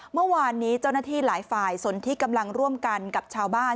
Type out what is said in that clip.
เมื่อวานนี้เจ้าหน้าที่หลายฝ่ายสนที่กำลังร่วมกันกับชาวบ้าน